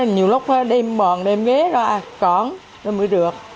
nhiều lúc đem bọn đem ghế ra trọn rồi mới được